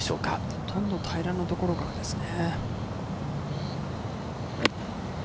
ほとんど平らな所からですね。